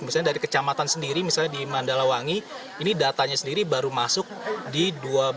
misalnya dari kecamatan sendiri misalnya di mandalawangi ini datanya sendiri baru masuk di dua belas